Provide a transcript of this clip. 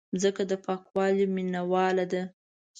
مځکه د پاکوالي مینواله ده.